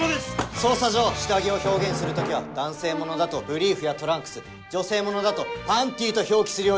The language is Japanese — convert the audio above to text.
捜査上下着を表現する時は男性物だと「ブリーフ」や「トランクス」女性物だと「パンティ」と表記するよう。